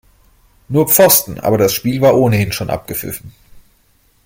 Nur Pfosten, aber das Spiel war ohnehin schon abgepfiffen.